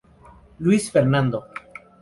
Luis Ferrando.